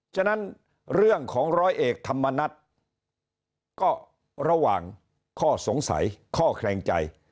ฉะนั้นเรื่องของร้อยเอกธรรมนัฐก็ระหว่างข้อสงสัยข้อแคลงใจ